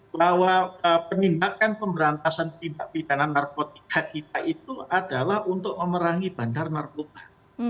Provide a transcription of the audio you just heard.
bahwa penindakan pemberantasan tindak pidana narkotika kita itu adalah untuk memerangi bandar narkoba